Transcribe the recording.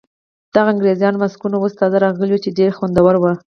دغه انګریزي ماسکونه اوس تازه راغلي ول چې ډېر خوندور وو.